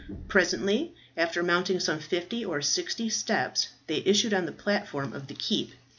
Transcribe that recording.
Presently, after mounting some fifty or sixty steps, they issued on the platform of the keep.